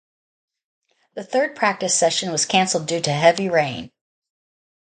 The third practice session was cancelled due to heavy rain.